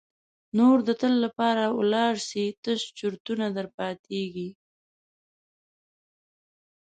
نور د تل لپاره ولاړ سي تش چرتونه در پاتیږي.